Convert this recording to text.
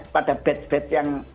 pada batch batch yang